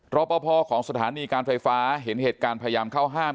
รอปภของสถานีการไฟฟ้าเห็นเหตุการณ์พยายามเข้าห้าม